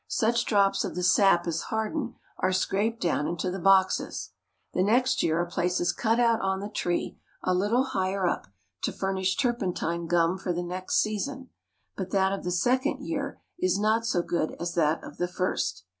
Such drops of the sap as harden are scraped down into the boxes. The next year a place is cut out on the tree a little higher up, to furnish turpentine gum for the next season, but that of the second A Turpentine Distillery. year is not so good as that of the first.